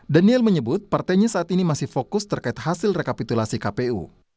daniel menyebut partainya saat ini masih fokus terkait hasil rekapitulasi kpu